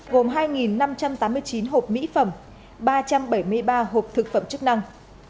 gồm hai năm trăm tám mươi chín hộp mỹ phẩm ba trăm bảy mươi ba hộp thực phẩm chức năng